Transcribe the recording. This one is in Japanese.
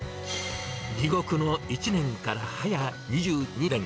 地獄の１年からはや２２年。